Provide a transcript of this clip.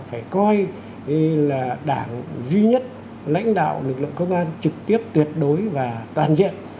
phải coi là đảng duy nhất lãnh đạo lực lượng công an trực tiếp tuyệt đối và toàn diện